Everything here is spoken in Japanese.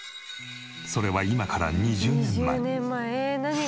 それは今から２０年前。